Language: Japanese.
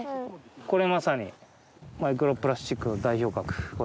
海まさにマイクロプラスチックの代表格。